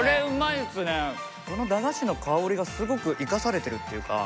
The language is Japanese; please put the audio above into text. この駄菓子の香りがすごく生かされてるっていうか。